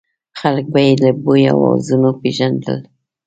خلک به یې له بوی او اواز نه پېژندل.